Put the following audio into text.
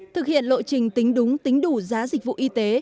thực hiện lộ trình tính đúng tính đủ giá dịch vụ y tế